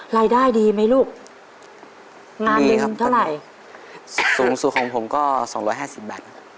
รายได้ดีไหมลูกงานหนึ่งเท่าไหร่สูงสุดของผมก็๒๕๐บาท